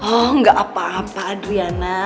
oh enggak apa apa adriana